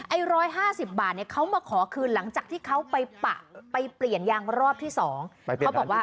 ไอ้๑๕๐บาทเนี่ยเขามาขอคืนหลังจากที่เขาไปเปลี่ยนยางรอบที่๒